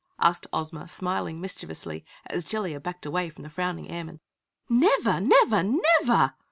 asked Ozma, smiling mischievously, as Jellia backed away from the frowning airman. "Never! Never! NEVER!"